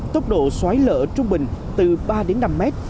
tốc độ xoáy lỡ trung bình từ ba đến năm mét